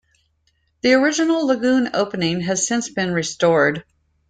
The original lagoon opening has since been restored.